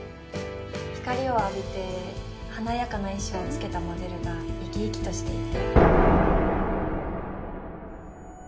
光を浴びて華やかな衣装をつけたモデルが生き生きとしていて。